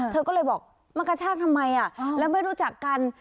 เธอก็เลยบอกมากระชากทำไมแล้วไม่รู้จักกัน